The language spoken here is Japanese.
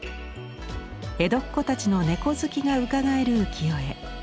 江戸っ子たちの猫好きがうかがえる浮世絵。